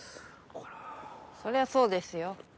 そりゃそうですよ。